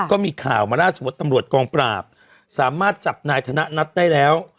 ก็มีข่าวมาล่าสุดว่าตำรวจกองปราบสามารถจับนายธนัดได้แล้ว